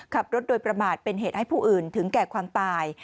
ขับรถโดยประมาทเป็นเหตุให้ผู้อื่นถึงแก่ความตาย